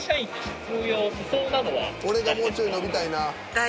俺がもうちょい伸びたいな。